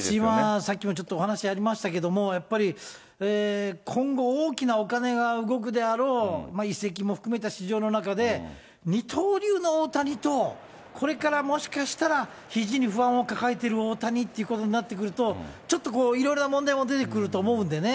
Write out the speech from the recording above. さっきもちょっとお話ありましたけど、やっぱり今後大きなお金が動くであろう、移籍も含めた市場の中で、二刀流の大谷と、これからもしかしたらひじに不安を抱えてる大谷っていうことになってくると、ちょっといろんな問題も出てくると思うんでね。